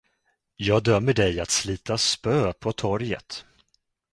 Jag dömer dig att slita spö på torget.